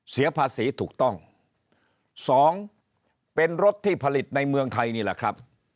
เสียภาษีถูกต้องสองเป็นรถที่ผลิตในเมืองไทยนี่แหละครับ